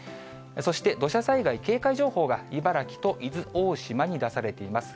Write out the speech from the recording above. そして、土砂災害警戒情報が、茨城と伊豆大島に出されています。